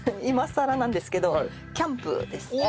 今さらなんですけどキャンプです。